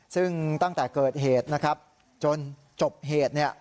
ซึ่งตั้งแต่เกิดเหตุนะครับจนจบเหตุเนี่ย